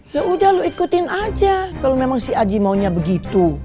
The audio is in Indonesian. ya udah lu ikutin aja kalau memang si aji maunya begitu